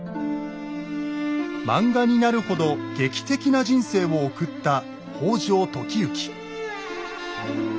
漫画になるほど劇的な人生を送った北条時行。